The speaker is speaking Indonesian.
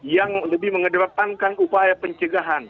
yang lebih mengedepankan upaya pencegahan